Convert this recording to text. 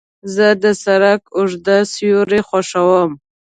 زه د سړک اوږده سیوري خوښوم.